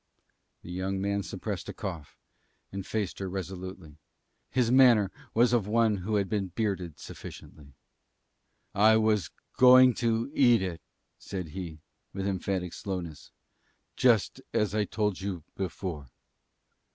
The young man suppressed a cough and faced her resolutely. His manner was that of one who had been bearded sufficiently. "I was going to eat it," said he, with emphatic slowness; "just as I told you before."